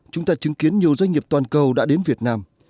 chúng ta chứng kiến nhiều doanh nghiệp toàn cầu đã đến việt nam